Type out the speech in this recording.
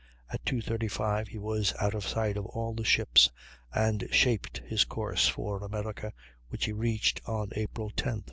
At 2.35 he was out of sight of all the ships and shaped his course for America, which he reached on April 10th.